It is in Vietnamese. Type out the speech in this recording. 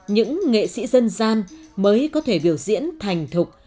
những nghệ sĩ dân gian mới có thể biểu diễn thành thục